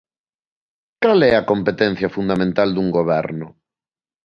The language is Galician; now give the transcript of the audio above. ¿Cal é a competencia fundamental dun goberno?